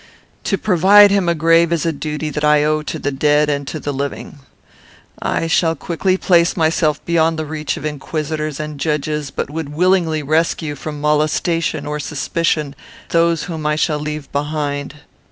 To provide him a grave is a duty that I owe to the dead and to the living. I shall quickly place myself beyond the reach of inquisitors and judges, but would willingly rescue from molestation or suspicion those whom I shall leave behind."